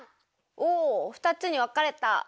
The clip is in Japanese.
お２つにわかれた！